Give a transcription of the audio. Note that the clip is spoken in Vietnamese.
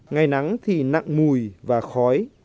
ngày nắng thì nặng mùi và khói